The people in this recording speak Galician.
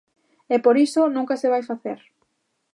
E por iso nunca se vai facer.